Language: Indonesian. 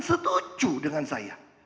setuju dengan saya